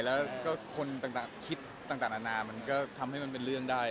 แล้วก็คนต่างคิดต่างนานามันก็ทำให้มันเป็นเรื่องได้